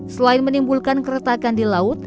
selain menimbulkan keretakan di laut